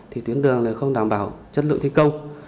thì tuyến đường này không đảm bảo chất lượng thi công